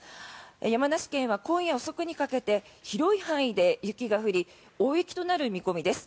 山梨県は今夜遅くにかけて広い範囲で雪が降り大雪となる見込みです。